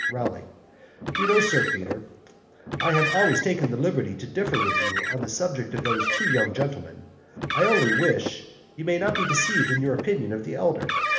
ROWLEY. You know Sir Peter I have always taken the Liberty to differ with you on the subject of these two young Gentlemen I only wish you may not be deceived in your opinion of the elder.